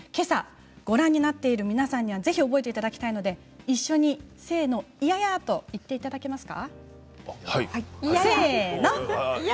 ご覧になっている皆さんにはぜひ覚えていただきたいので一緒にせーの１８８いややと言っていただけますか。